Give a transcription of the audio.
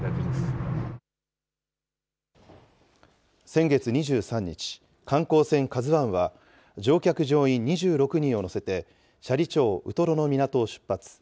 先月２３日、観光船ＫＡＺＵＩは、乗客・乗員２６人を乗せて、斜里町ウトロの港を出発。